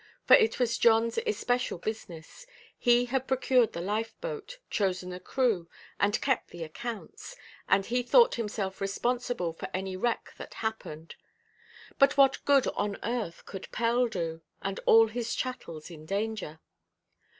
For it was Johnʼs especial business; he had procured the lifeboat, chosen the crew, and kept the accounts; and he thought himself responsible for any wreck that happened. But what good on earth could Pell do, and all his chattels in danger?